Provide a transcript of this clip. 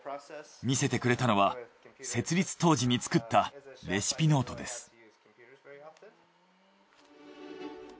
見せてくれたのは設立当時に作ったレシピノートです。